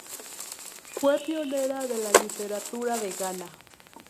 Fue pionera de la literatura de Ghana.